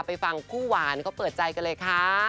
ไปฟังคู่หวานเขาเปิดใจกันเลยค่ะ